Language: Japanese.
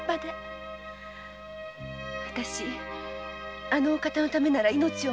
わたしあのお方のためなら命をもと。